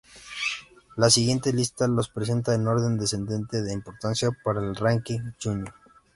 La siguiente lista los presenta en orden descendente de importancia para el ranking junior.